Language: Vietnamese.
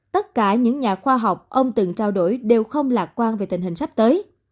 tất cả những nhà khoa học ông từng trao đổi đều không lạc quan về tình hình sắp tới